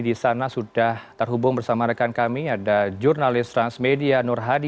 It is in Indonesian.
di sana sudah terhubung bersama rekan kami ada jurnalis transmedia nur hadi